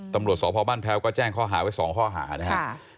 ตำรวจสพบ้านแพ้วก็แจ้งข้อหาไว้๒ข้อหานะครับ